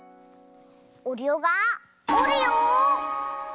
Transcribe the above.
おるよがおるよ。